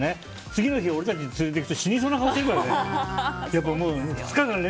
次の日、俺たち連れていくと死にそうな顔してるからね。